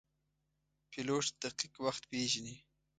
پیلوټ دقیق وخت پیژني.